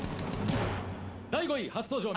第５位初登場。